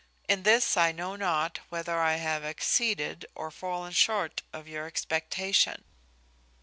In this I know not whether I have exceeded or fallen short of your expectation.